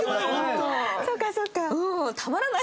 そっかそっか。